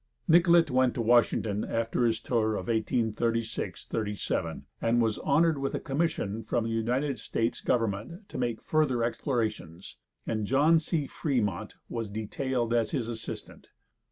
Nicollet went to Washington after his tour of 1836 37, and was honored with a commission from the United States government to make further explorations, and John C. Fremont was detailed as his assistant.